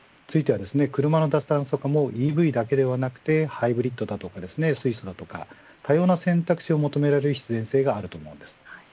車の脱炭素化もＥＶだけではなくハイブリッドだとか水素だとか、多様な選択肢を求められる必然性があります。